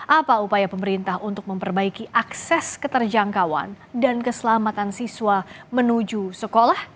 apa upaya pemerintah untuk memperbaiki akses keterjangkauan dan keselamatan siswa menuju sekolah